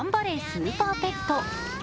スーパーペット」。